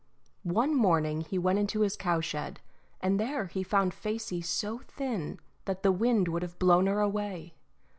One morning he went into his cowshed, and there he found Facey so thin that the wind would have blown her away.